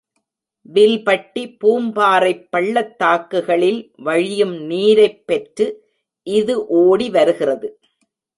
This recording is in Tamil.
வில்பட்டி, பூம் பாறைப் பள்ளத்தாக்குகளில் வழியும் நீரைப் பெற்று இது ஓடி வருகிறது.